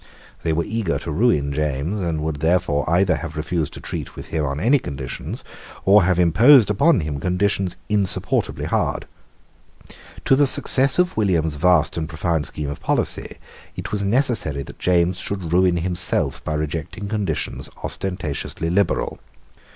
They were eager to ruin James, and would therefore either have refused to treat with him on any conditions, or have imposed on him conditions insupportably hard. To the success of William's vast and profound scheme of policy it was necessary that James should ruin himself by rejecting conditions ostentatiously liberal.